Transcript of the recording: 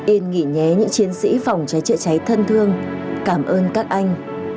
yên nghỉ nhé những chiến sĩ phòng trái trợ cháy thân thương cảm ơn các anh